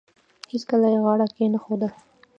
هیڅکله یې غاړه کښېنښوده.